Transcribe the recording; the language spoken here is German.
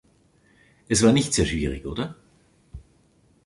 Es war nicht sehr schwierig, oder?